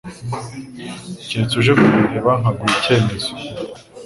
Keretse uje kundeba nkaguha ikemezo